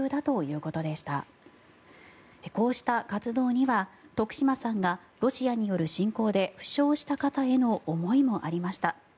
こうした活動には徳島さんがロシアによる侵攻で負傷した方への思いもありました。